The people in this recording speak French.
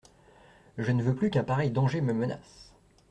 Je ne veux plus qu'un pareil danger me menace.